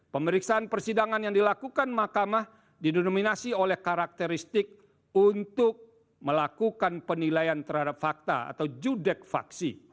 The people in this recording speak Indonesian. pemeriksaan persidangan yang dilakukan mahkamah didonominasi oleh karakteristik untuk melakukan penilaian terhadap fakta atau judek faksi